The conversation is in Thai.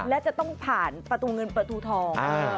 และจะต้องผ่านประตูเงินประตูทอง